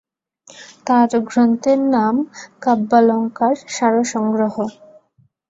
তাঁর গ্রন্থের নাম কাব্যালঙ্কারসারসংগ্রহ।